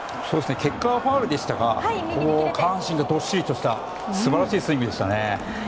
結果はファウルでしたが下半身がどっしりとした素晴らしいスイングでした。